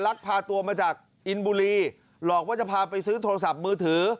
ลักพาตัวมาจากอินบุรีหลอกว่าจะพาไปซื้อโทรศัพท์มือถือ